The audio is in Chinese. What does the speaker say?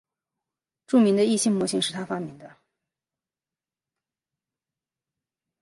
著名的易辛模型是他发明的。